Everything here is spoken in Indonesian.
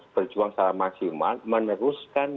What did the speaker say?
berjuang secara maksimal meneruskan